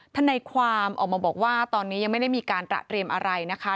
ทนายความออกมาบอกว่าตอนนี้ยังไม่ได้มีการตระเตรียมอะไรนะคะ